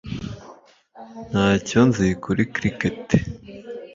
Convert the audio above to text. Ntacyo nzi kuri cricket